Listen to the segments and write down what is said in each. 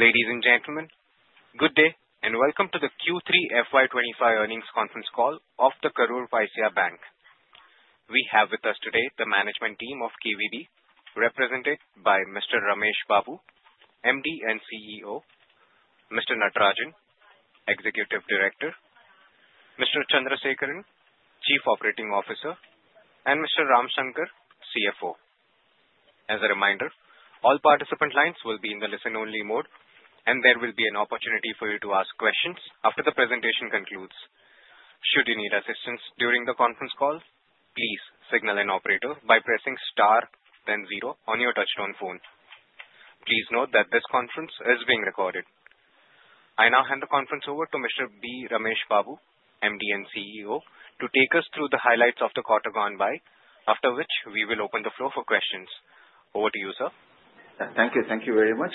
Ladies and gentlemen, good day and welcome to the Q3 FY25 earnings conference call of the Karur Vysya Bank. We have with us today the management team of KVB, represented by Mr. B. Ramesh Babu, MD and CEO, Mr. J. Natarajan, Executive Director, Mr. K. Chandrasekaran, Chief Operating Officer, and Mr. R. Ramshankar, CFO. As a reminder, all participant lines will be in the listen-only mode, and there will be an opportunity for you to ask questions after the presentation concludes. Should you need assistance during the conference call, please signal an operator by pressing star, then zero on your touch-tone phone. Please note that this conference is being recorded. I now hand the conference over to Mr. B. Ramesh Babu, MD and CEO, to take us through the highlights of the quarter gone by, after which we will open the floor for questions. Over to you, sir. Thank you. Thank you very much.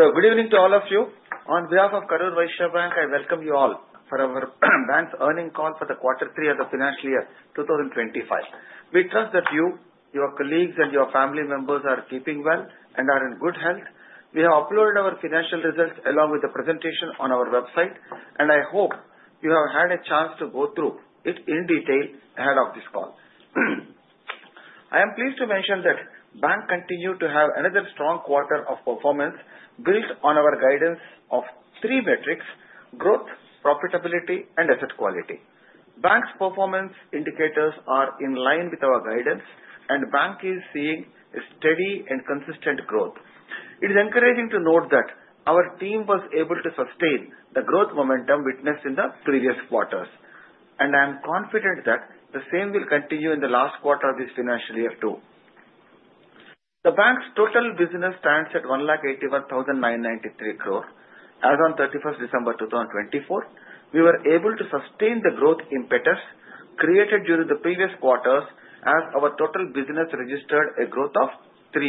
So, good evening to all of you. On behalf of Karur Vysya Bank, I welcome you all for our bank's earnings call for the quarter three of the financial year 2025. We trust that you, your colleagues, and your family members are keeping well and are in good health. We have uploaded our financial results along with the presentation on our website, and I hope you have had a chance to go through it in detail ahead of this call. I am pleased to mention that the bank continues to have another strong quarter of performance built on our guidance of three metrics: growth, profitability, and asset quality. The bank's performance indicators are in line with our guidance, and the bank is seeing steady and consistent growth. It is encouraging to note that our team was able to sustain the growth momentum witnessed in the previous quarters, and I am confident that the same will continue in the last quarter of this financial year too. The bank's total business stands at 181,993 crores. As of 31st December 2024, we were able to sustain the growth impetus created during the previous quarters, as our total business registered a growth of 3%.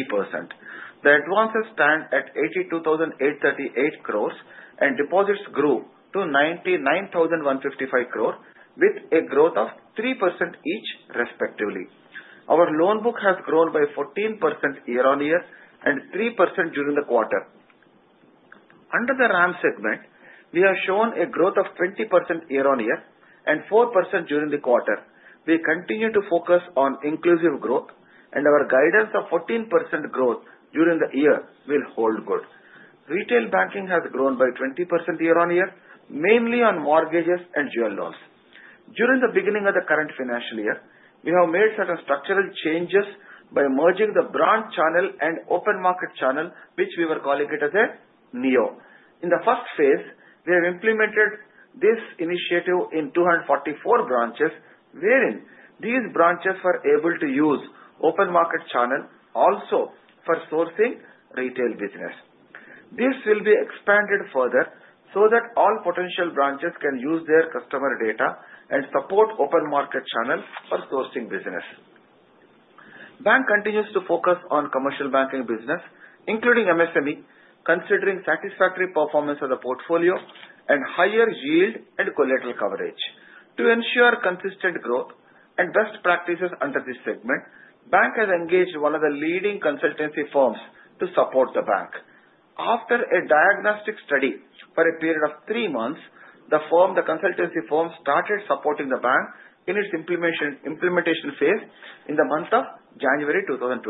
The advances stand at 82,838 crores, and deposits grew to 99,155 crores, with a growth of 3% each, respectively. Our loan book has grown by 14% year-on-year and 3% during the quarter. Under the RAM segment, we have shown a growth of 20% year-on-year and 4% during the quarter. We continue to focus on inclusive growth, and our guidance of 14% growth during the year will hold good. Retail banking has grown by 20% year-on-year, mainly on mortgages and jewel loans. During the beginning of the current financial year, we have made certain structural changes by merging the branch channel and open market channel, which we were calling it as a Neo. In the first phase, we have implemented this initiative in 244 branches, wherein these branches were able to use the open market channel also for sourcing retail business. This will be expanded further so that all potential branches can use their customer data and support the open market channel for sourcing business. The bank continues to focus on commercial banking business, including MSME, considering satisfactory performance of the portfolio and higher yield and collateral coverage. To ensure consistent growth and best practices under this segment, the bank has engaged one of the leading consultancy firms to support the bank. After a diagnostic study for a period of three months, the consultancy firm started supporting the bank in its implementation phase in the month of January 2025.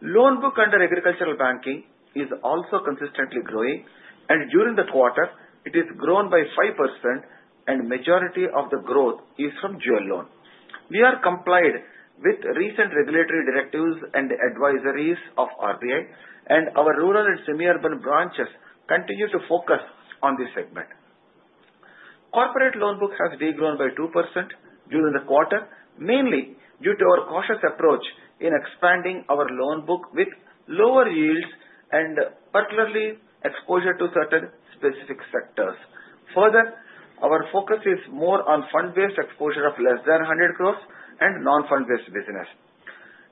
The loan book under agricultural banking is also consistently growing, and during the quarter, it has grown by 5%, and the majority of the growth is from jewel loans. We have complied with recent regulatory directives and advisories of RBI, and our rural and semi-urban branches continue to focus on this segment. Corporate loan book has grown by 2% during the quarter, mainly due to our cautious approach in expanding our loan book with lower yields and particularly exposure to certain specific sectors. Further, our focus is more on fund-based exposure of less than 100 crores and non-fund-based business.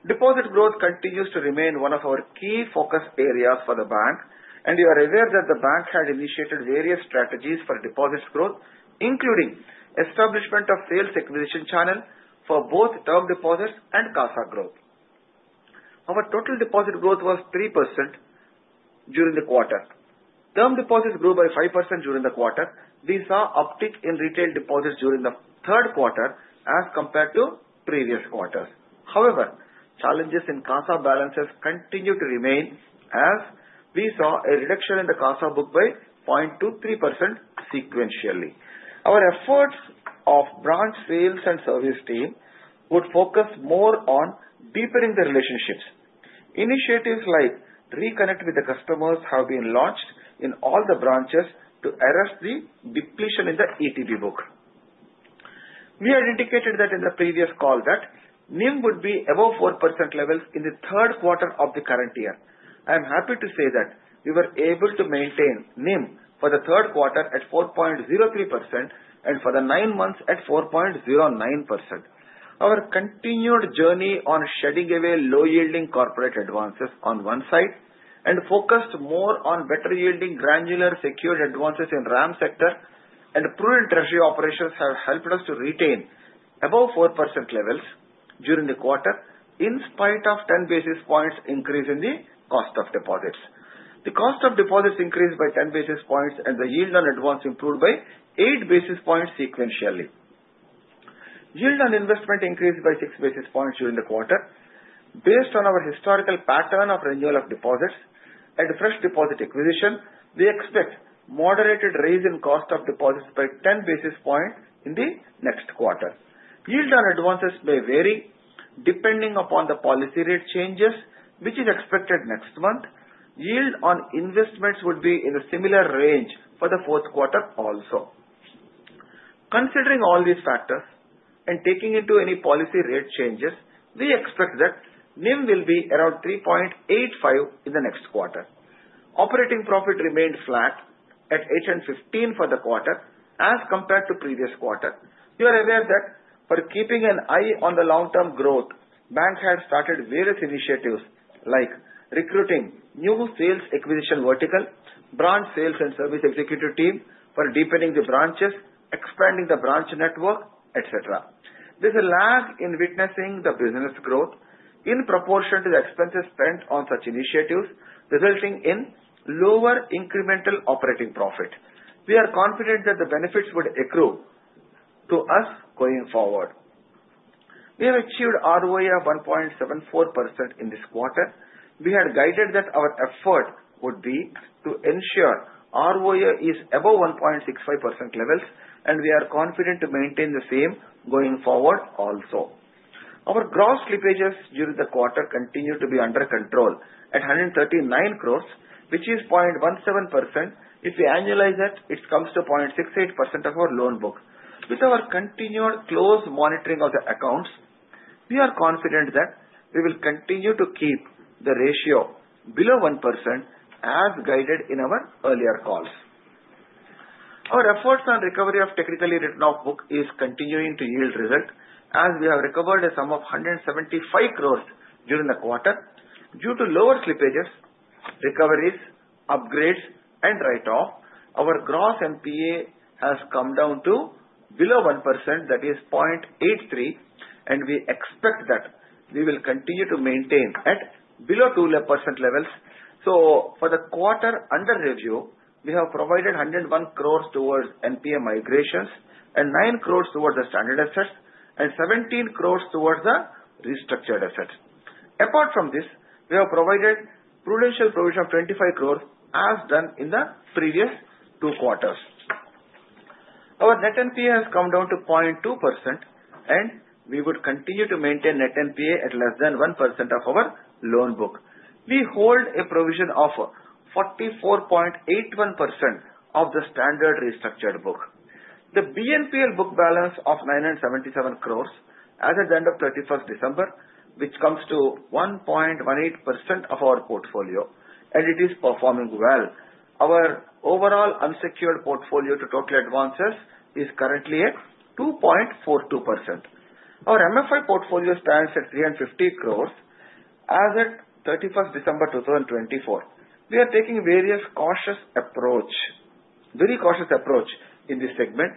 Deposit growth continues to remain one of our key focus areas for the bank, and we are aware that the bank has initiated various strategies for deposit growth, including the establishment of a sales acquisition channel for both term deposits and CASA growth. Our total deposit growth was 3% during the quarter. Term deposits grew by 5% during the quarter. We saw an uptick in retail deposits during the third quarter as compared to previous quarters. However, challenges in CASA balances continue to remain, as we saw a reduction in the CASA book by 0.23% sequentially. Our efforts of the branch sales and service team would focus more on deepening the relationships. Initiatives like reconnecting with the customers have been launched in all the branches to address the depletion in the ETB book. We had indicated that in the previous call that NIM would be above 4% levels in the third quarter of the current year. I am happy to say that we were able to maintain NIM for the third quarter at 4.03% and for the nine months at 4.09%. Our continued journey on shedding away low-yielding corporate advances on one side and focused more on better-yielding granular secured advances in the RAM sector and prudent treasury operations have helped us to retain above 4% levels during the quarter, in spite of a 10 basis points increase in the cost of deposits. The cost of deposits increased by 10 basis points, and the yield on advance improved by 8 basis points sequentially. Yield on investment increased by 6 basis points during the quarter. Based on our historical pattern of renewal of deposits and fresh deposit acquisition, we expect a moderated raise in the cost of deposits by 10 basis points in the next quarter. Yield on advances may vary depending upon the policy rate changes, which is expected next month. Yield on investments would be in a similar range for the fourth quarter also. Considering all these factors and taking into account any policy rate changes, we expect that NIM will be around 3.85% in the next quarter. Operating profit remained flat at 815 for the quarter as compared to the previous quarter. We are aware that for keeping an eye on the long-term growth, the bank has started various initiatives like recruiting new sales acquisition verticals, branch sales and service executive teams for deepening the branches, expanding the branch network, etc. There is a lag in witnessing the business growth in proportion to the expenses spent on such initiatives, resulting in lower incremental operating profit. We are confident that the benefits would accrue to us going forward. We have achieved ROA of 1.74% in this quarter. We had guided that our effort would be to ensure ROA is above 1.65% levels, and we are confident to maintain the same going forward also. Our gross slippages during the quarter continue to be under control at 139 crores, which is 0.17%. If we annualize that, it comes to 0.68% of our loan book. With our continued close monitoring of the accounts, we are confident that we will continue to keep the ratio below 1%, as guided in our earlier calls. Our efforts on the recovery of the technically written-off book are continuing to yield results, as we have recovered a sum of 175 crores during the quarter. Due to lower slippages, recoveries, upgrades, and write-offs, our gross NPA has come down to below 1%, that is 0.83%, and we expect that we will continue to maintain at below 2% levels. So, for the quarter under review, we have provided 101 crores towards NPA migrations and 9 crores towards the standard assets and 17 crores towards the restructured assets. Apart from this, we have provided prudential provision of 25 crores, as done in the previous two quarters. Our net NPA has come down to 0.2%, and we would continue to maintain net NPA at less than 1% of our loan book. We hold a provision of 44.81% of the standard restructured book. The BNPL book balance of 977 crores, as at the end of 31st December, which comes to 1.18% of our portfolio, and it is performing well. Our overall unsecured portfolio to total advances is currently at 2.42%. Our MFI portfolio stands at 350 crores. As at 31st December 2024, we are taking a very cautious approach in this segment.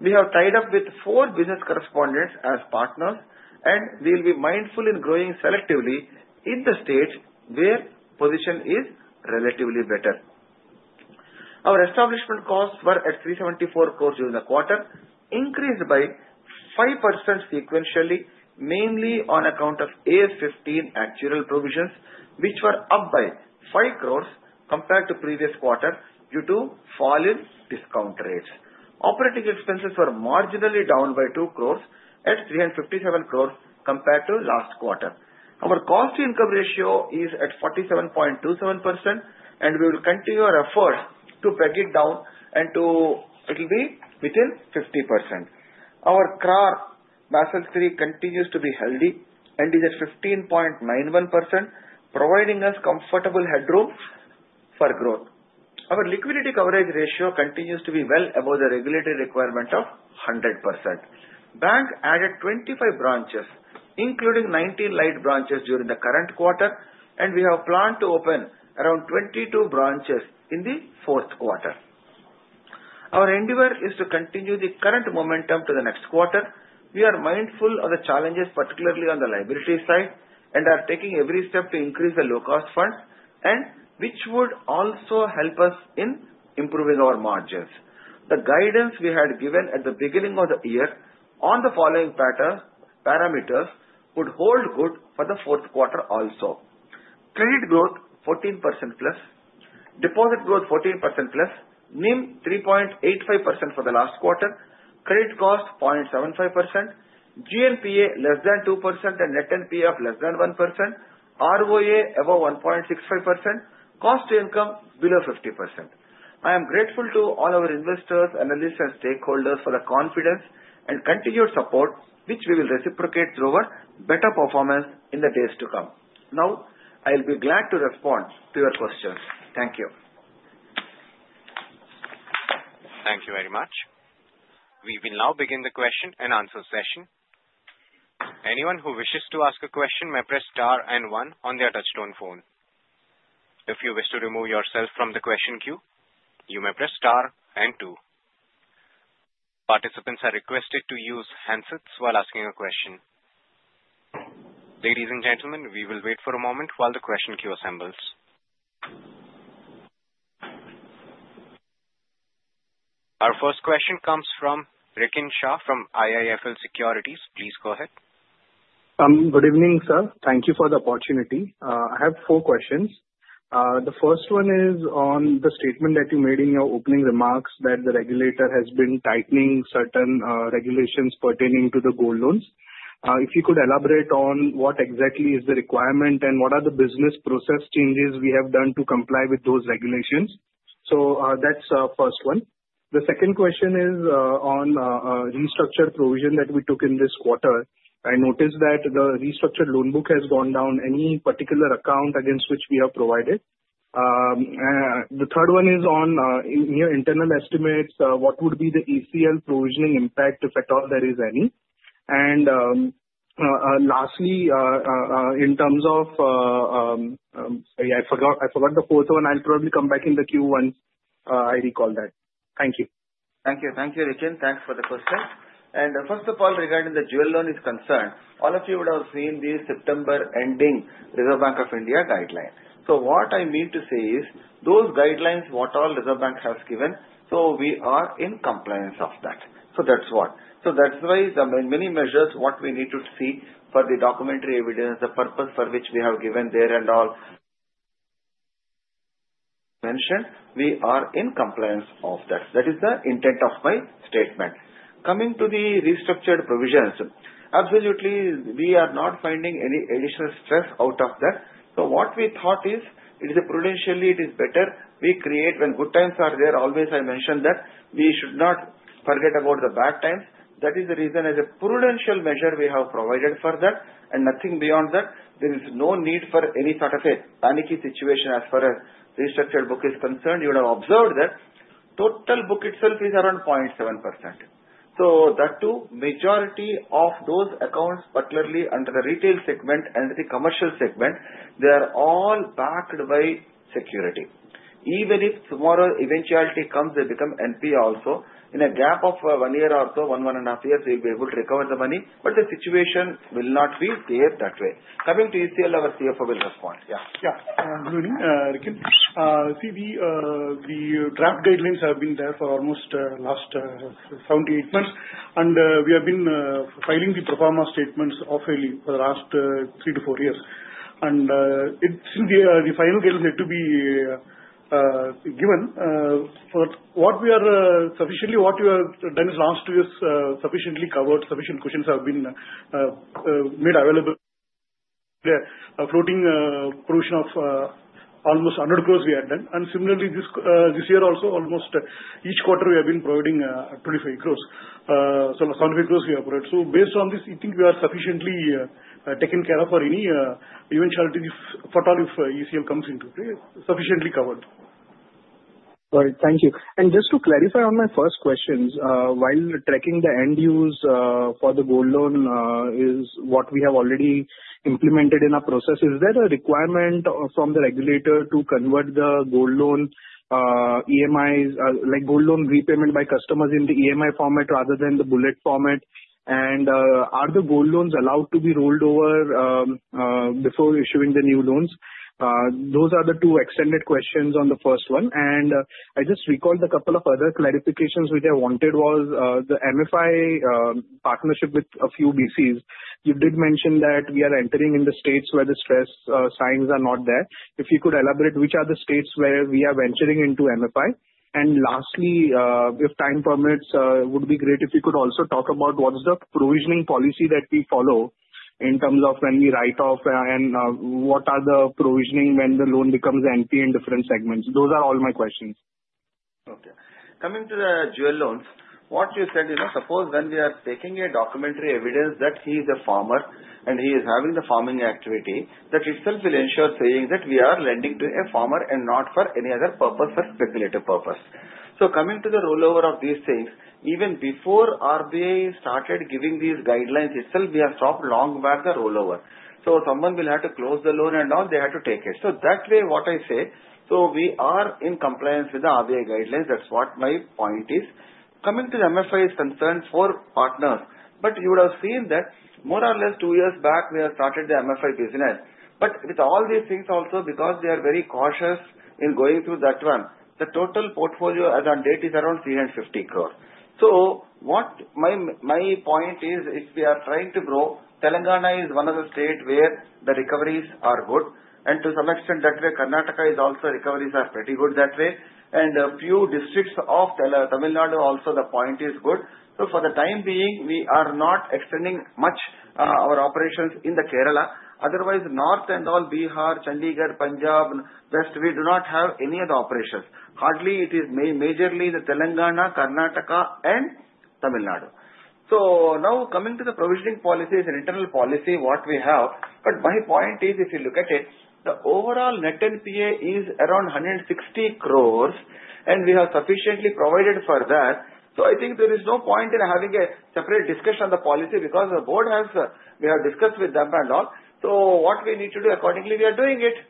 We have tied up with four business correspondents as partners, and we will be mindful in growing selectively in the states where the position is relatively better. Our establishment costs were at 374 crores during the quarter, increased by 5% sequentially, mainly on account of AS 15 actual provisions, which were up by 5 crores compared to the previous quarter due to falling discount rates. Operating expenses were marginally down by 2 crores at 357 crores compared to last quarter. Our Cost-to-Income Ratio is at 47.27%, and we will continue our efforts to bring it down, and it will be within 50%. Our CRAR, Basel III, continues to be healthy and is at 15.91%, providing us comfortable headroom for growth. Our Liquidity Coverage Ratio continues to be well above the regulatory requirement of 100%. The bank added 25 branches, including 19 Lite branches, during the current quarter, and we have planned to open around 22 branches in the fourth quarter. Our endeavor is to continue the current momentum to the next quarter. We are mindful of the challenges, particularly on the liability side, and are taking every step to increase the low-cost funds, which would also help us in improving our margins. The guidance we had given at the beginning of the year on the following parameters would hold good for the fourth quarter also: credit growth 14% plus, deposit growth 14% plus, NIM 3.85% for the last quarter, credit cost 0.75%, GNPA less than 2%, and net NPA of less than 1%, ROA above 1.65%, cost-to-income below 50%. I am grateful to all our investors, analysts, and stakeholders for the confidence and continued support, which we will reciprocate through our better performance in the days to come. Now, I will be glad to respond to your questions. Thank you. Thank you very much. We will now begin the question and answer session. Anyone who wishes to ask a question may press Star and 1 on their touch-tone phone. If you wish to remove yourself from the question queue, you may press Star and 2. Participants are requested to use handsets while asking a question. Ladies and gentlemen, we will wait for a moment while the question queue assembles. Our first question comes from Rikin Shah from IIFL Securities. Please go ahead. Good evening, sir. Thank you for the opportunity. I have four questions. The first one is on the statement that you made in your opening remarks that the regulator has been tightening certain regulations pertaining to the gold loans. If you could elaborate on what exactly is the requirement and what are the business process changes we have done to comply with those regulations. So that's the first one. The second question is on the restructured provision that we took in this quarter. I noticed that the restructured loan book has gone down. Any particular account against which we have provided. The third one is on your internal estimates. What would be the ECL provisioning impact, if at all there is any? And lastly, in terms of, I forgot the fourth one. I'll probably come back in the queue once I recall that. Thank you. Thank you. Thank you, Rikin. Thanks for the question. And first of all, regarding the jewel loan is concerned, all of you would have seen the September ending Reserve Bank of India guideline. So what I mean to say is those guidelines, what all Reserve Bank has given, so we are in compliance of that. So that's what. So that's why there are many measures what we need to see for the documentary evidence, the purpose for which we have given there and all mentioned. We are in compliance of that. That is the intent of my statement. Coming to the restructured provisions, absolutely, we are not finding any additional stress out of that. So what we thought is, prudentially, it is better we create when good times are there. Always, I mentioned that we should not forget about the bad times. That is the reason, as a prudential measure, we have provided for that, and nothing beyond that. There is no need for any sort of a panicky situation as far as the restructured book is concerned. You would have observed that total book itself is around 0.7%. So that too, the majority of those accounts, particularly under the retail segment and the commercial segment, they are all backed by security. Even if tomorrow eventuality comes, they become NPA also. In a gap of one year or so, one and a half years, we will be able to recover the money, but the situation will not be there that way. Coming to ECL, our CFO will respond. Yeah. Yeah. Good evening, Rikin. See, the draft guidelines have been there for almost the last 78 months, and we have been filing the pro forma statements offering for the last three to four years. Since the final guidelines had to be given, what we have done in the last two years sufficiently covered. Sufficient provisions have been made available. Floating provision of almost 100 crores we had done. Similarly, this year also, almost each quarter, we have been providing 25 crores. So 75 crores we have provided. Based on this, I think we are sufficiently taken care of for any eventuality, for all if ECL comes into play. Sufficiently covered. All right. Thank you. And just to clarify on my first questions, while tracking the end use for the gold loan is what we have already implemented in our process, is there a requirement from the regulator to convert the gold loan EMIs, like gold loan repayment by customers in the EMI format rather than the bullet format? And are the gold loans allowed to be rolled over before issuing the new loans? Those are the two extended questions on the first one. And I just recalled a couple of other clarifications which I wanted was the MFI partnership with a few BCs. You did mention that we are entering in the states where the stress signs are not there. If you could elaborate, which are the states where we are venturing into MFI? And lastly, if time permits, it would be great if you could also talk about what's the provisioning policy that we follow in terms of when we write off and what are the provisioning when the loan becomes NPA in different segments. Those are all my questions. Okay. Coming to the jewel loans, what you said, suppose when we are taking a documentary evidence that he is a farmer and he is having the farming activity, that itself will ensure saying that we are lending to a farmer and not for any other purpose or speculative purpose. So coming to the rollover of these things, even before RBI started giving these guidelines, itself, we have stopped long-term rollover. So someone will have to close the loan and all they had to take it. So that way, what I say, so we are in compliance with the RBI guidelines. That's what my point is. Coming to the MFI's concerns for partners, but you would have seen that more or less two years back, we have started the MFI business. But with all these things also, because they are very cautious in going through that one, the total portfolio as on date is around 350 crores. So my point is, if we are trying to grow, Telangana is one of the states where the recoveries are good. And to some extent, that way, Karnataka is also recoveries are pretty good that way. And a few districts of Tamil Nadu also, the point is good. So for the time being, we are not extending much our operations in Kerala. Otherwise, north and all, Bihar, Chandigarh, Punjab, west, we do not have any other operations. Hardly, it is majorly the Telangana, Karnataka, and Tamil Nadu. So now, coming to the provisioning policies, internal policy, what we have, but my point is, if you look at it, the overall net NPA is around 160 crores, and we have sufficiently provided for that. So I think there is no point in having a separate discussion on the policy because the board has, we have discussed with them and all. So what we need to do accordingly, we are doing it.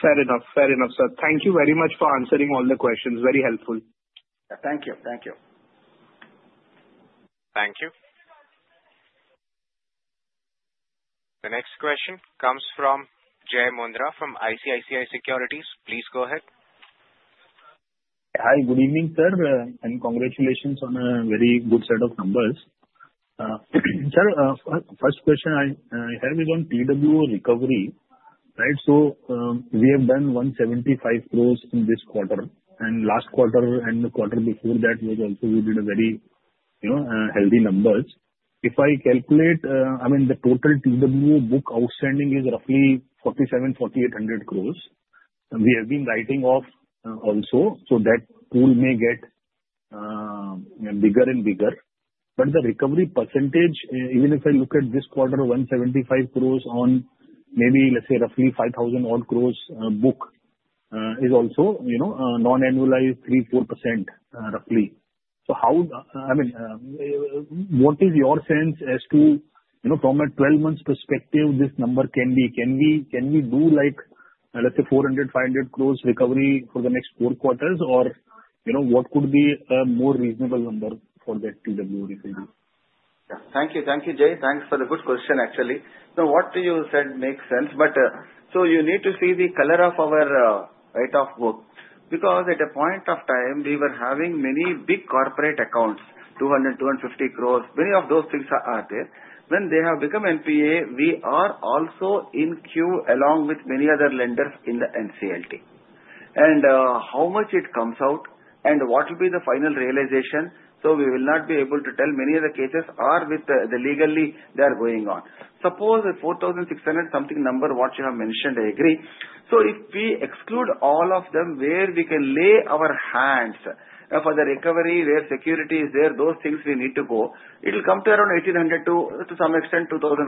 Fair enough. Fair enough, sir. Thank you very much for answering all the questions. Very helpful. Thank you. Thank you. Thank you. The next question comes from Jai Mundhra from ICICI Securities. Please go ahead. Hi. Good evening, sir. And congratulations on a very good set of numbers. Sir, first question, I have it on TWO recovery. Right? So we have done 175 crores in this quarter. Last quarter and the quarter before that was also we did very healthy numbers. If I calculate, I mean, the total TWO book outstanding is roughly 4,700-4,800 crores. We have been writing off also. So that pool may get bigger and bigger. But the recovery percentage, even if I look at this quarter, 175 crores on maybe, let's say, roughly 5,000-odd crores book is also non-annualized 3-4% roughly. So how, I mean, what is your sense as to from a 12-month perspective, this number can be can we do like, let's say, 400-500 crores recovery for the next four quarters, or what could be a more reasonable number for that TWO recovery? Yeah. Thank you. Thank you, Jai. Thanks for the good question, actually. So what you said makes sense. You need to see the color of our write-off book because at a point of time, we were having many big corporate accounts, 200-250 crores. Many of those things are there. When they have become NPA, we are also in queue along with many other lenders in the NCLT. And how much it comes out and what will be the final realization, so we will not be able to tell. Many of the cases are with the legally. They are going on. Suppose 4,600-something number, what you have mentioned, I agree. So if we exclude all of them where we can lay our hands for the recovery, where security is there, those things we need to go, it will come to around 1,800-2,000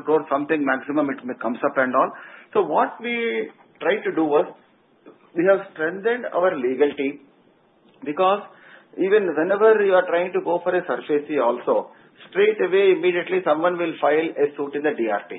crores something maximum. It comes up and all. What we tried to do was we have strengthened our legal team because even whenever you are trying to go for a SARFAESI also, straight away, immediately, someone will file a suit in the DRT.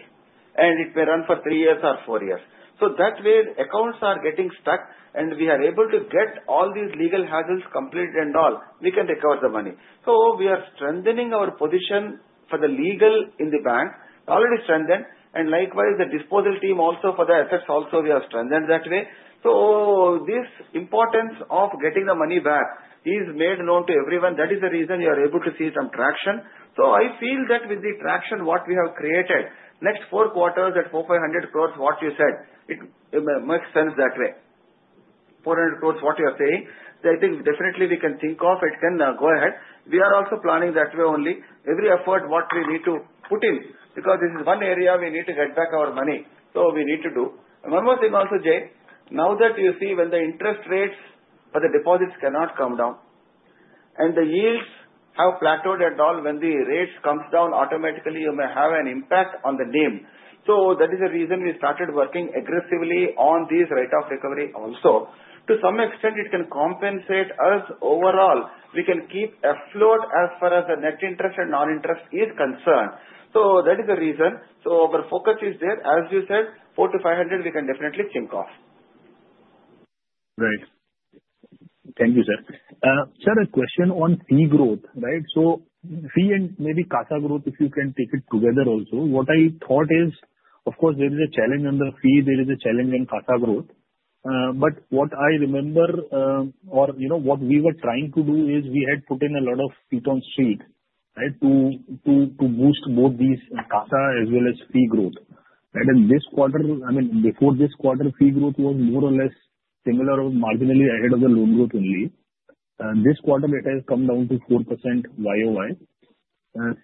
And it may run for three years or four years. That way, accounts are getting stuck, and we are able to get all these legal hassles completed and all, we can recover the money. We are strengthening our position for the legal in the bank, already strengthened. And likewise, the disposal team also for the assets also, we have strengthened that way. This importance of getting the money back is made known to everyone. That is the reason you are able to see some traction. I feel that with the traction, what we have created, next four quarters at 4,500 crores, what you said, it makes sense that way. 400 crores, what you are saying, I think definitely we can think of it can go ahead. We are also planning that way only. Every effort, what we need to put in because this is one area we need to get back our money. So we need to do. One more thing also, Jay, now that you see when the interest rates for the deposits cannot come down and the yields have plateaued and all, when the rates come down, automatically, you may have an impact on the NIM. So that is the reason we started working aggressively on these write-off recovery also. To some extent, it can compensate us overall. We can keep afloat as far as the net interest and non-interest is concerned. So that is the reason. So our focus is there. As you said, 4,500, we can definitely think of. Right. Thank you, sir. Sir, a question on fee growth. Right? So, fee and maybe CASA growth, if you can take it together also. What I thought is, of course, there is a challenge on the fee. There is a challenge on CASA growth. But what I remember or what we were trying to do is we had put in a lot of feet on street to boost both these CASA as well as fee growth. And this quarter, I mean, before this quarter, fee growth was more or less similar or marginally ahead of the loan growth only. This quarter, it has come down to 4% YoY.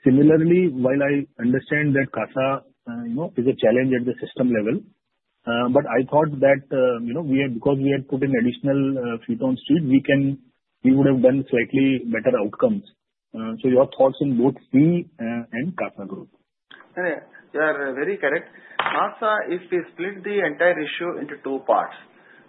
Similarly, while I understand that CASA is a challenge at the system level, but I thought that because we had put in additional feet on street, we would have done slightly better outcomes. So, your thoughts on both fee and CASA growth? You are very correct. CASA, if we split the entire issue into two parts,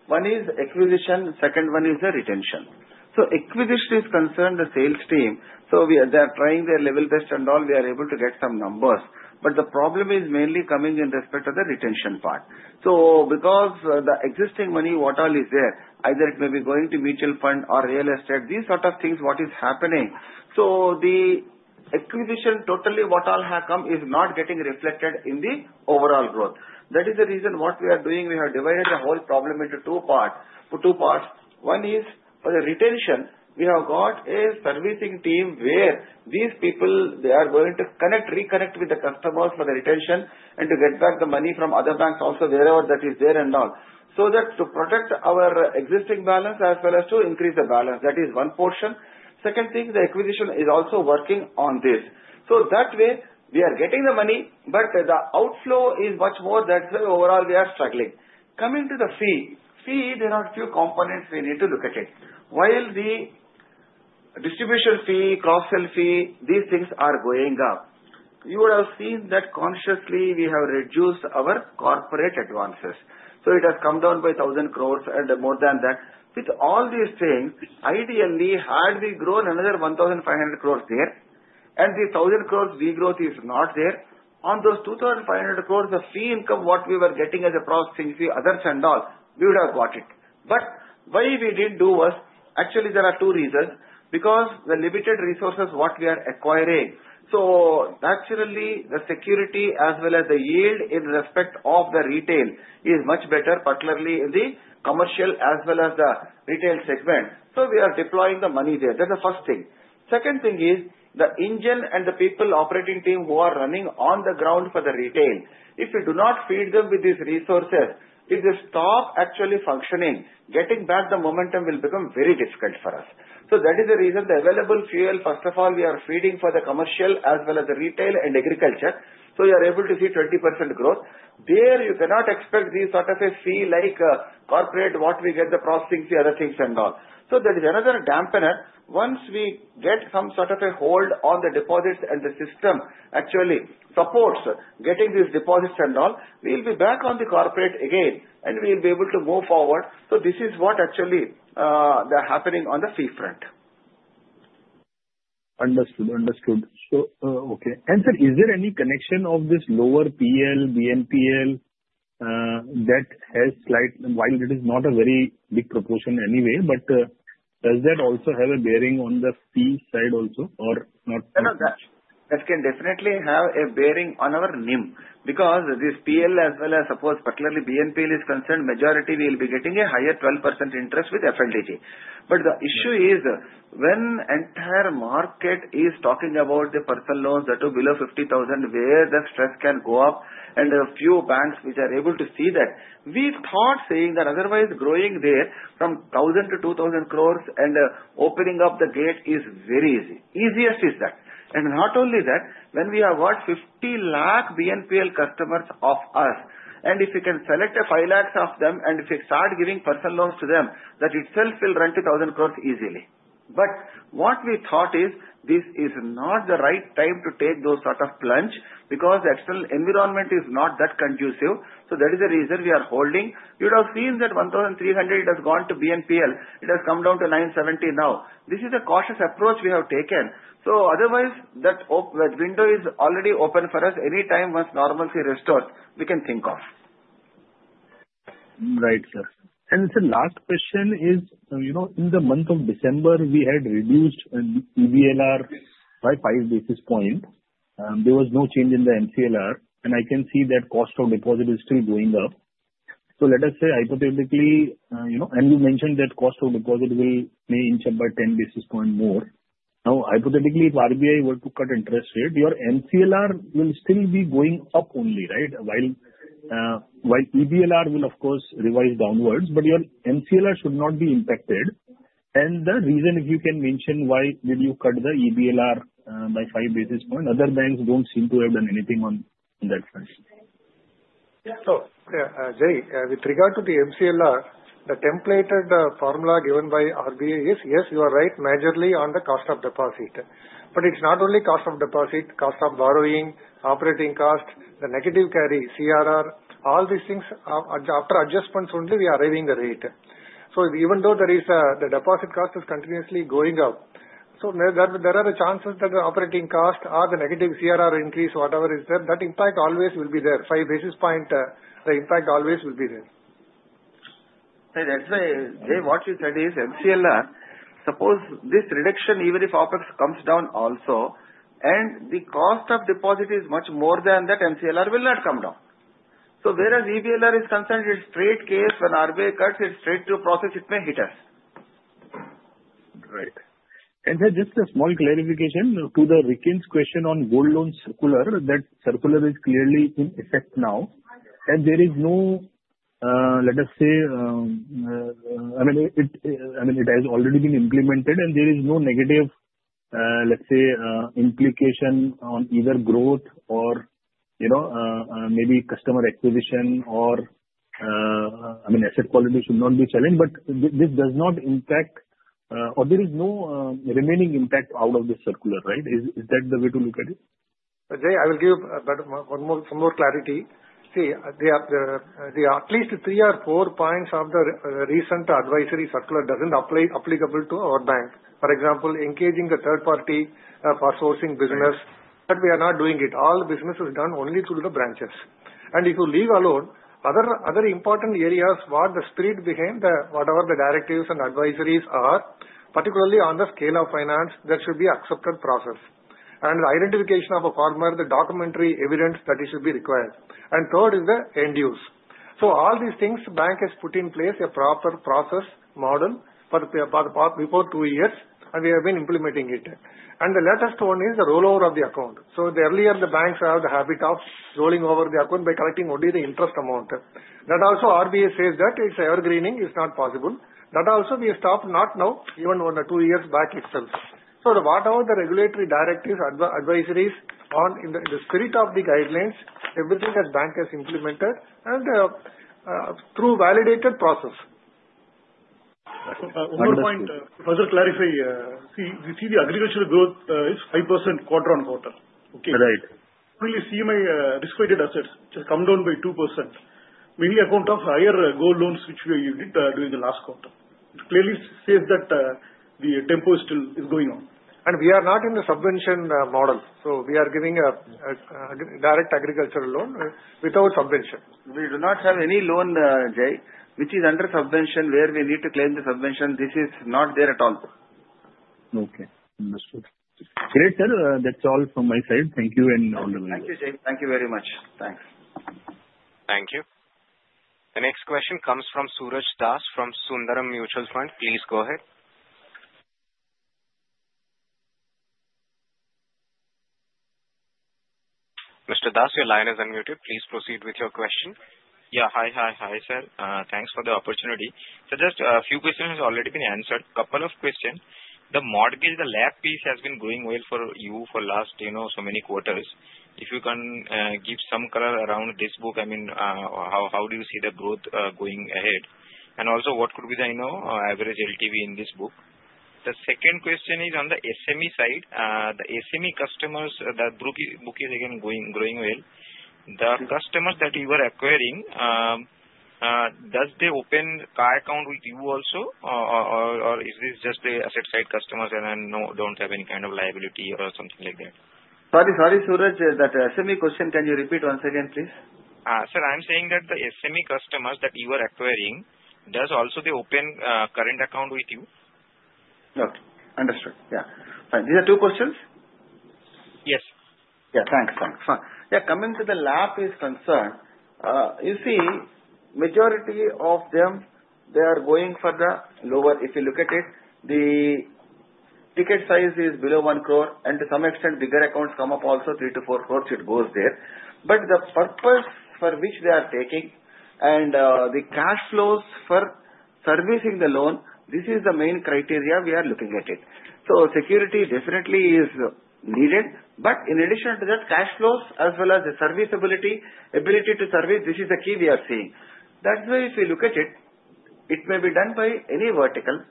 one is acquisition, second one is the retention. So acquisition is concerned the sales team. So they are trying their level best and all. We are able to get some numbers. But the problem is mainly coming in respect of the retention part. So because the existing money, what all is there, either it may be going to mutual fund or real estate, these sort of things, what is happening? So the acquisition totally what all have come is not getting reflected in the overall growth. That is the reason what we are doing. We have divided the whole problem into two parts. One is for the retention. We have got a servicing team where these people, they are going to connect, reconnect with the customers for the retention and to get back the money from other banks also, wherever that is there and all. So that to protect our existing balance as well as to increase the balance. That is one portion. Second thing, the acquisition is also working on this. So that way, we are getting the money, but the outflow is much more that overall we are struggling. Coming to the fee, there are a few components we need to look at it. While the distribution fee, cross-sell fee, these things are going up, you would have seen that consciously we have reduced our corporate advances. So it has come down by 1,000 crores and more than that. With all these things, ideally, had we grown another 1,500 crores there, and the 1,000 crores we growth is not there, on those 2,500 crores, the fee income what we were getting as a processing fee, others and all, we would have got it. But why we didn't do was actually there are two reasons. Because the limited resources what we are acquiring. So naturally, the security as well as the yield in respect of the retail is much better, particularly in the commercial as well as the retail segment. So we are deploying the money there. That's the first thing. Second thing is the engine and the people operating team who are running on the ground for the retail. If you do not feed them with these resources, if they stop actually functioning, getting back the momentum will become very difficult for us. So that is the reason, the available fuel, first of all, we are feeding for the commercial as well as the retail and agriculture. So you are able to see 20% growth. There you cannot expect these sort of a fee like corporate what we get the processing fee, other things and all. So there is another dampener. Once we get some sort of a hold on the deposits and the system actually supports getting these deposits and all, we will be back on the corporate again, and we will be able to move forward. So this is what actually they are happening on the fee front. Understood. Understood. So okay. And sir, is there any connection of this lower PL, BNPL that has slight while it is not a very big proportion anyway, but does that also have a bearing on the fee side also or not? No, no. That can definitely have a bearing on our NIM because this PL as well as suppose particularly BNPL is concerned majority we will be getting a higher 12% interest with FLDG. But the issue is when entire market is talking about the personal loans that are below 50,000 where the stress can go up and a few banks which are able to see that, we thought saying that otherwise growing there from 1,000 to 2,000 crores and opening up the gate is very easy. Easiest is that. And not only that, when we have got 50 lakh BNPL customers of us, and if you can select 5 lakhs of them and if you start giving personal loans to them, that itself will run to 1,000 crores easily. But what we thought is this is not the right time to take those sort of plunge because the external environment is not that conducive. So that is the reason we are holding. You would have seen that 1,300 it has gone to BNPL. It has come down to 970 now. This is a cautious approach we have taken. So otherwise, that window is already open for us. Anytime once normalcy restores, we can think of. Right, sir. And sir, last question is in the month of December, we had reduced EBLR by five basis points. There was no change in the MCLR. And I can see that cost of deposit is still going up. So let us say hypothetically, and you mentioned that cost of deposit will may inch up by 10 basis points more. Now, hypothetically, if RBI were to cut interest rate, your MCLR will still be going up only, right? While EBLR will, of course, revise downwards, but your MCLR should not be impacted. And the reason if you can mention why did you cut the EBLR by five basis points? Other banks don't seem to have done anything on that front. So Jay, with regard to the MCLR, the templated formula given by RBI is, yes, you are right, majorly on the cost of deposit. But it's not only cost of deposit, cost of borrowing, operating cost, the negative carry, CRR, all these things after adjustments only we are raising the rate. So even though there is the deposit cost is continuously going up, so there are the chances that the operating cost or the negative CRR increase, whatever is there, that impact always will be there. Five basis points, the impact always will be there. That's why Jai, what you said is MCLR. Suppose this reduction even if OpEx comes down also, and the cost of deposit is much more than that, MCLR will not come down. So whereas EBLR is concerned, it's straight case. When RBI cuts, it's straight to process, it may hit us. Right. And sir, just a small clarification to the Rikin's question on gold loan circular, that circular is clearly in effect now. And there is no, let us say, I mean, it has already been implemented, and there is no negative, let's say, implication on either growth or maybe customer acquisition or, I mean, asset quality should not be challenged. But this does not impact, or there is no remaining impact out of the circular, right? Is that the way to look at it? Jay, I will give you some more clarity. See, there are at least three or four points of the recent advisory circular that isn't applicable to our bank. For example, engaging a third party for sourcing business, that we are not doing it. All the business is done only through the branches. And if you leave alone, other important areas where the spirit behind whatever the directives and advisories are, particularly on the scale of finance, that should be accepted process. And the identification of a farmer, the documentary evidence that it should be required. And third is the end use. So all these things, the bank has put in place a proper process model for before two years, and we have been implementing it. And the latest one is the rollover of the account. So earlier, the banks have the habit of rolling over the account by collecting only the interest amount. That also RBI says that its evergreening is not possible. That also we stopped not now, even two years back itself. So whatever the regulatory directives, advisories on in the spirit of the guidelines, everything that bank has implemented and through validated process. One more point, to further clarify. See, we see the agricultural growth is 5% quarter on quarter. Okay. Right. We see my risk-weighted assets just come down by 2%, mainly account of higher gold loans which we did during the last quarter. It clearly says that the tempo is going on. And we are not in the subvention model. So we are giving a direct agricultural loan without subvention. We do not have any loan, Jay, which is under subvention where we need to claim the subvention. This is not there at all. Okay. Understood. Great, sir. That's all from my side. Thank you and all the way. Thank you, Jai. Thank you very much. Thanks. Thank you. The next question comes from Suraj Das from Sundaram Mutual Fund. Please go ahead. Mr. Das, your line is unmuted. Please proceed with your question. Yeah. Hi, hi, hi, sir. Thanks for the opportunity. So just a few questions have already been answered. Couple of questions. The mortgage, the loan piece has been going well for you for last so many quarters. If you can give some color around this book, I mean, how do you see the growth going ahead? And also, what could be the average LTV in this book? The second question is on the SME side. The SME customers, the book is again growing well. The customers that you are acquiring, do they open current account with you also, or is this just the asset side customers and then don't have any kind of liability or something like that? Sorry, sorry, Suraj, that SME question, can you repeat once again, please? Sir, I'm saying that the SME customers that you are acquiring, do they also open current account with you? Okay. Understood. Yeah. These are two questions? Yes. Yeah. Thanks. Thanks. Yeah. Coming to the LAP concern, you see, majority of them, they are going for the lower. If you look at it, the ticket size is below one crore, and to some extent, bigger accounts come up also three to four crores, it goes there. But the purpose for which they are taking and the cash flows for servicing the loan, this is the main criteria we are looking at it. Security definitely is needed. But in addition to that, cash flows as well as the service ability, ability to service, this is the key we are seeing. That's why if you look at it, it may be done by any vertical.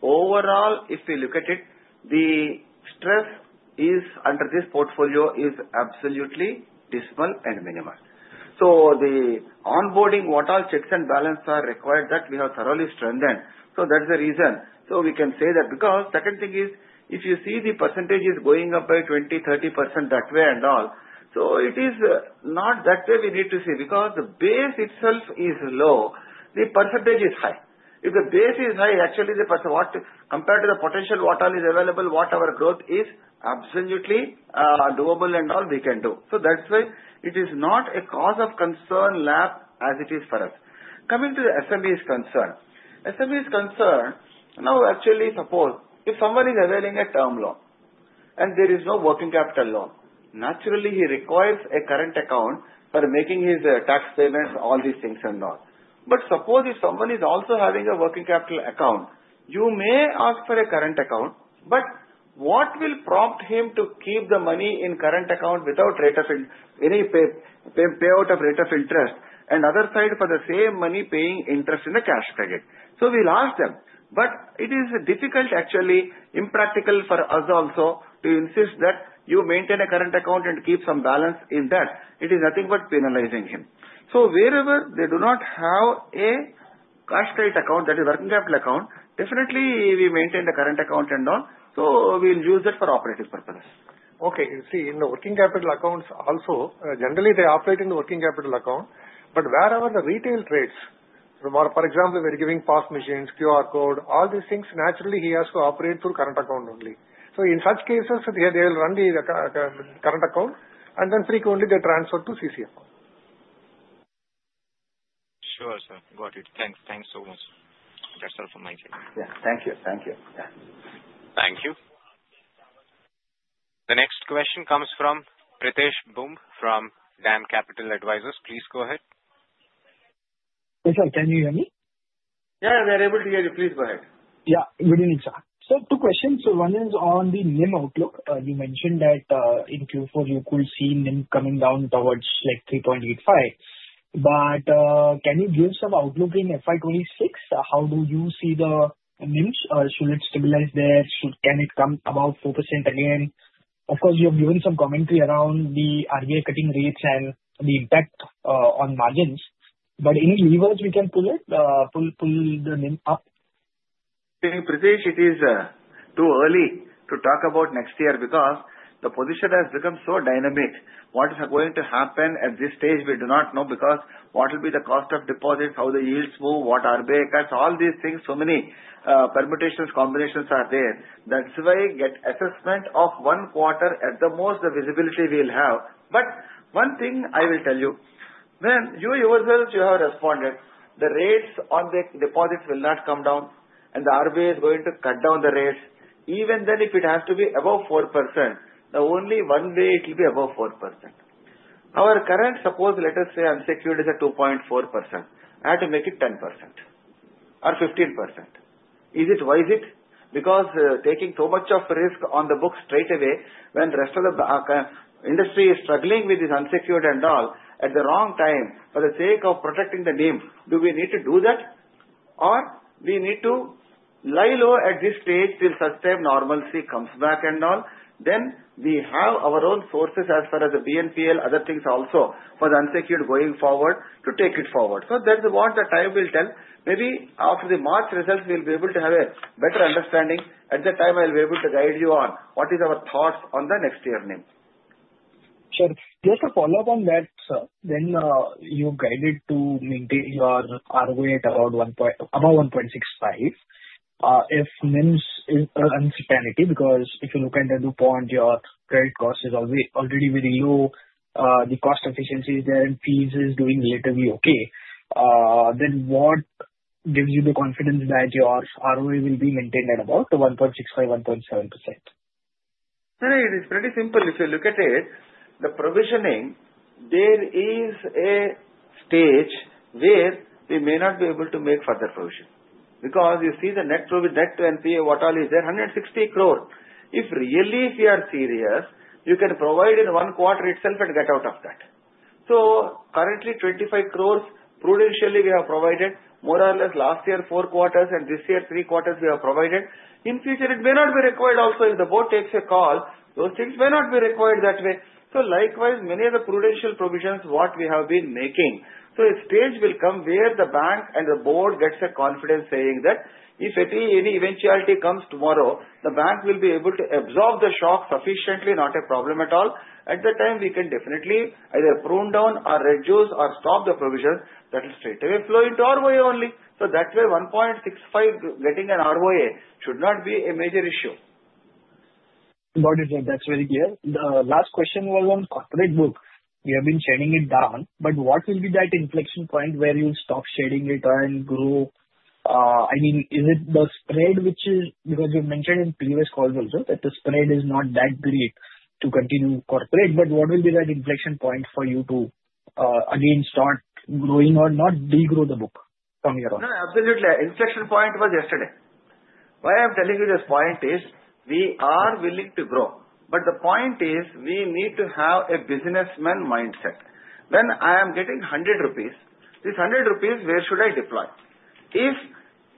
Overall, if you look at it, the stress under this portfolio is absolutely dismal and minimal. So the onboarding, what all checks and balances are required that we have thoroughly strengthened. So that's the reason. So we can say that because second thing is, if you see the percentage is going up by 20%-30% that way and all, so it is not that way we need to see because the base itself is low, the percentage is high. If the base is high, actually compared to the potential what all is available, what our growth is absolutely doable and all we can do. That's why it is not a cause of concern at all as it is for us. Coming to the SMEs concern, now actually suppose if someone is availing a term loan and there is no working capital loan, naturally he requires a current account for making his tax payments, all these things and all. But suppose if someone is also having a working capital account, you may ask for a current account, but what will prompt him to keep the money in current account without rate of any payout of rate of interest and other side for the same money paying interest in the cash credit? We'll ask them. But it is difficult actually, impractical for us also to insist that you maintain a current account and keep some balance in that. It is nothing but penalizing him. So wherever they do not have a cash credit account, that is working capital account, definitely we maintain the current account and all. So we'll use that for operating purposes. Okay. See, in the working capital accounts also, generally they operate in the working capital account, but wherever the retail traders, for example, we are giving POS machines, QR code, all these things, naturally he has to operate through current account only. So in such cases, they will run the current account and then frequently they transfer to CC account. Sure, sir. Got it. Thanks. Thanks so much. That's all from my side. Yeah. Thank you. Thank you. Yeah. Thank you. The next question comes from Pritesh Bumb from DAM Capital Advisors. Please go ahead. Hi, sir. Can you hear me? Yeah. We are able to hear you. Please go ahead. Yeah. Good evening, sir. Sir, two questions. One is on the NIM outlook. You mentioned that in Q4, you could see NIM coming down towards like 3.85%. But can you give some outlook in FY26? How do you see the NIMs? Should it stabilize there? Can it come about 4% again? Of course, you have given some commentary around the RBI cutting rates and the impact on margins. But any levers we can pull it, pull the NIM up? Pritesh, it is too early to talk about next year because the position has become so dynamic. What is going to happen at this stage, we do not know because what will be the cost of deposits, how the yields move, what RBI cuts, all these things, so many permutations, combinations are there. That's why get assessment of one quarter at the most, the visibility we'll have. But one thing I will tell you, man. You yourself have responded. The rates on the deposits will not come down, and the RBI is going to cut down the rates. Even then, if it has to be above 4%, the only one way it will be above 4%. Our current, suppose, let us say, unsecured is at 2.4%. I had to make it 10% or 15%. Is it wise? Because taking too much of risk on the book straight away when the rest of the industry is struggling with its unsecured and all at the wrong time for the sake of protecting the NIM, do we need to do that? Or we need to lie low at this stage till such time normalcy comes back and all, then we have our own sources as far as the BNPL, other things also for the unsecured going forward to take it forward. So that's what the time will tell. Maybe after the March results, we'll be able to have a better understanding. At that time, I'll be able to guide you on what is our thoughts on the next year NIM. Sure. Just to follow up on that, sir, when you guided to maintain your ROA at about 1.65%, if NIMs is an uncertainty because if you look at the new point, your credit cost is already very low, the cost efficiency is there, and fees is doing relatively okay, then what gives you the confidence that your ROA will be maintained at about 1.65%-1.7%? It is pretty simple. If you look at it, the provisioning, there is a stage where we may not be able to make further provision because you see the net NPA, what all is there, 160 crore. If really, if you are serious, you can provide in one quarter itself and get out of that. So currently, 25 crores prudentially we have provided, more or less last year four quarters and this year three quarters we have provided. In future, it may not be required. Also, if the board takes a call, those things may not be required that way. So likewise, many of the prudential provisions what we have been making. So a stage will come where the bank and the board gets a confidence saying that if any eventuality comes tomorrow, the bank will be able to absorb the shock sufficiently, not a problem at all. At that time, we can definitely either prune down or reduce or stop the provision that will straight away flow into ROA only. So that way, 1.65 getting an ROA should not be a major issue. Got it. That's very clear. The last question was on corporate book. We have been shedding it down, but what will be that inflection point where you'll stop shedding it and grow? I mean, is it the spread which is, because you mentioned in previous calls also, that the spread is not that great to continue corporate, but what will be that inflection point for you to again start growing or not degrow the book from here on? Absolutely. Inflection point was yesterday. Why I'm telling you this point is we are willing to grow, but the point is we need to have a businessman mindset. When I am getting 100 rupees, this 100 rupees, where should I deploy? If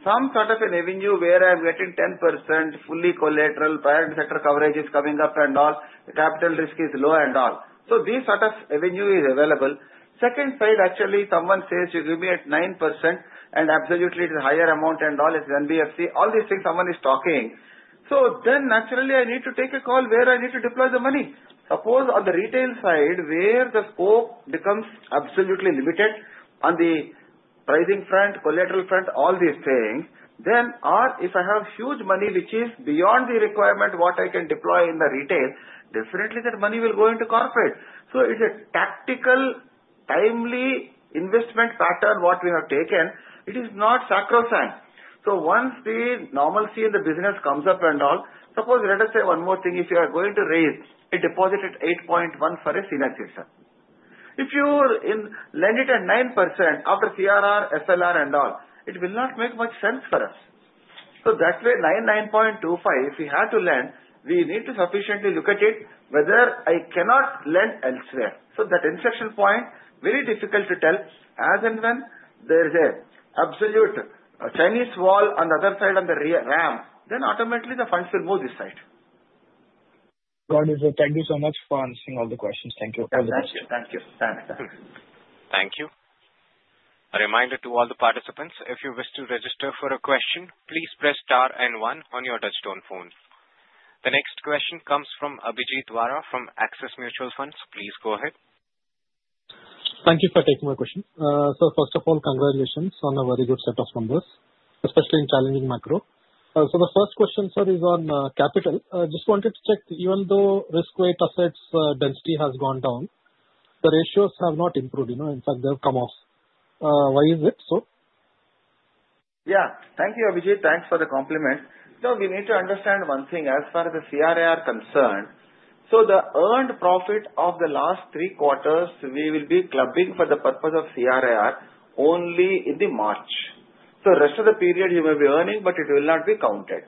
some sort of an avenue where I'm getting 10% fully collateral parent company coverage is coming up and all, the capital risk is low and all. So these sort of avenue is available. Second side, actually, someone says, "You give me at 9%," and absolutely it is a higher amount and all, it's NBFC. All these things someone is talking. So then naturally, I need to take a call where I need to deploy the money. Suppose on the retail side where the scope becomes absolutely limited on the pricing front, collateral front, all these things, then if I have huge money which is beyond the requirement what I can deploy in the retail, definitely that money will go into corporate. So it's a tactical, timely investment pattern what we have taken. It is not sacrosanct. So once the normalcy in the business comes up and all, suppose let us say one more thing. If you are going to raise a deposit at 8.1% for a senior citizen, if you lend it at 9% after CRR, SLR and all, it will not make much sense for us. So that way, 9.25, if we have to lend, we need to sufficiently look at it whether I cannot lend elsewhere. So that inflection point, very difficult to tell as and when there is an absolute Chinese wall on the other side on the ramp, then automatically the funds will move this side. Got it, sir. Thank you so much for answering all the questions. Thank you. Thank you. Thank you. Thank you. Thank you. A reminder to all the participants, if you wish to register for a question, please press star and one on your touch-tone phone. The next question comes from Abhijith Vara from Axis Mutual Fund. Please go ahead. Thank you for taking my question. Sir, first of all, congratulations on a very good set of numbers, especially in challenging macro. So the first question, sir, is on capital. I just wanted to check, even though risk-weighted assets density has gone down, the ratios have not improved. In fact, they have come off. Why is it so? Yeah. Thank you, Abhijit. Thanks for the compliment. Sir, we need to understand one thing as far as the CRAR concerned. So the earned profit of the last three quarters, we will be clubbing for the purpose of CRAR only in the March. So the rest of the period, you may be earning, but it will not be counted.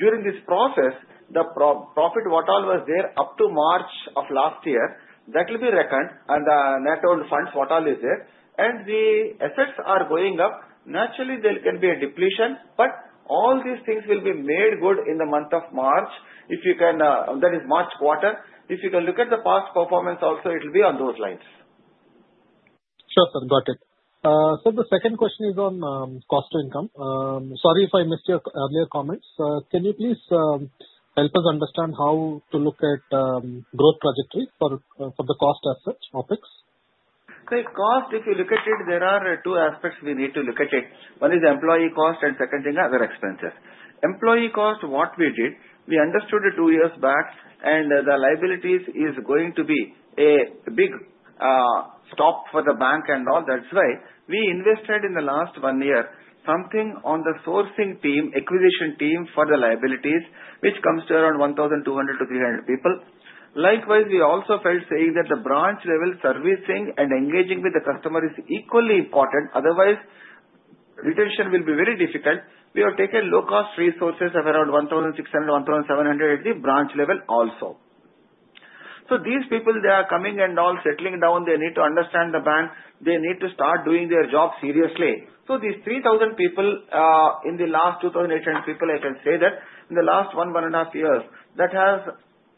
During this process, the profit what all was there up to March of last year, that will be reckoned, and the net owned funds what all is there. And the assets are going up. Naturally, there can be a depletion, but all these things will be made good in the month of March. If you can, that is March quarter, if you can look at the past performance, also it will be on those lines. Sure, sir. Got it. Sir, the second question is on cost to income. Sorry if I missed your earlier comments. Can you please help us understand how to look at growth trajectory for the cost aspects, OpEx? So cost, if you look at it, there are two aspects we need to look at it. One is employee cost and second thing, other expenses. Employee cost, what we did, we understood two years back, and the liabilities is going to be a big step for the bank and all. That's why we invested in the last one year something on the sourcing team, acquisition team for the liabilities, which comes to around 1,200-1,300 people. Likewise, we also felt saying that the branch level servicing and engaging with the customer is equally important. Otherwise, retention will be very difficult. We have taken low-cost resources of around 1,600-1,700 at the branch level also. So these people, they are coming and all settling down. They need to understand the bank. They need to start doing their job seriously. So these 3,000 people in the last 2,800 people, I can say that in the last one, one and a half years, that has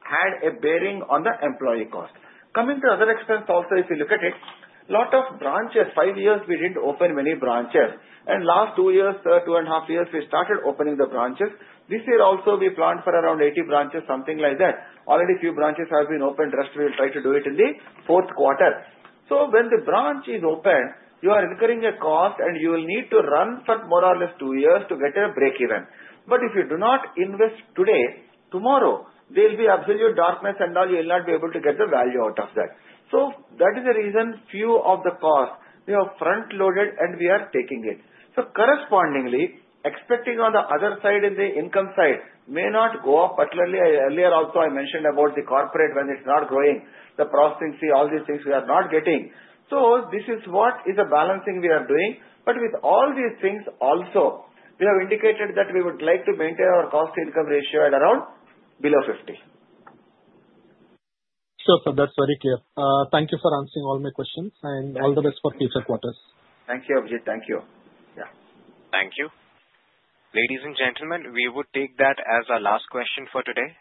had a bearing on the employee cost. Coming to other expense also, if you look at it, a lot of branches. Five years we didn't open many branches, and last two years, two and a half years, we started opening the branches. This year also, we planned for around 80 branches, something like that. Already a few branches have been opened. Rest, we'll try to do it in the fourth quarter. So when the branch is open, you are incurring a cost, and you will need to run for more or less two years to get a break even. But if you do not invest today, tomorrow, there will be absolute darkness and all. You will not be able to get the value out of that. So that is the reason few of the costs we have front-loaded, and we are taking it. So correspondingly, expecting on the other side in the income side may not go up. Particularly earlier, also I mentioned about the corporate when it's not growing, the processing, see, all these things we are not getting. So this is what is a balancing we are doing. But with all these things, also, we have indicated that we would like to maintain our cost to income ratio at around below 50. Sure, sir. That's very clear. Thank you for answering all my questions and all the best for future quarters. Thank you, Abhijit. Thank you. Yeah. Thank you. Ladies and gentlemen, we would take that as our last question for today.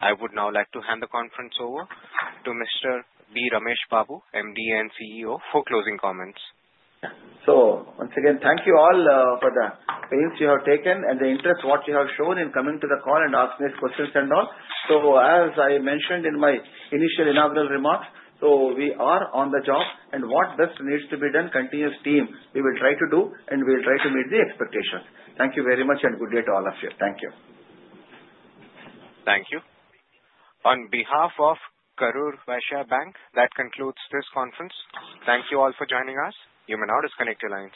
I would now like to hand the conference over to Mr. B. Ramesh Babu, MD and CEO, for closing comments. So once again, thank you all for the pains you have taken and the interest what you have shown in coming to the call and asking these questions and all. So as I mentioned in my initial inaugural remarks, so we are on the job and what best needs to be done, continuous team, we will try to do and we will try to meet the expectations. Thank you very much and good day to all of you. Thank you. Thank you. On behalf of Karur Vysya Bank, that concludes this conference. Thank you all for joining us. You may now disconnect your lines.